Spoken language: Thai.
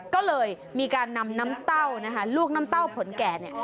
ก็เลยมีการนำน้ำเต้านะคะลูกน้ำเต้าผลแก่เนี่ย